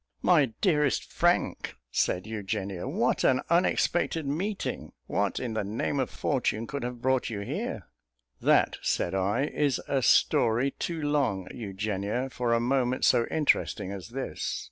"My dearest Frank," said Eugenia, "what an unexpected meeting! What, in the name of fortune, could have brought you here?" "That," said I, "is a story too long, Eugenia, for a moment so interesting as this.